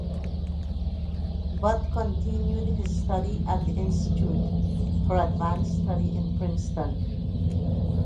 Bott continued his study at the Institute for Advanced Study in Princeton.